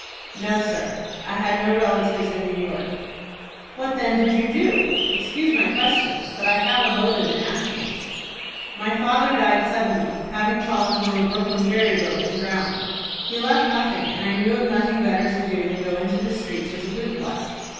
"No, sir; I had no relatives in New York." "What then did you do? Excuse my questions, but I have a motive in asking." "My father died suddenly, having fallen from a Brooklyn ferry boat and drowned. He left nothing, and I knew of nothing better to do than to go into the streets as a boot black."